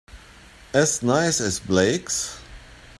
As nice as Blake's?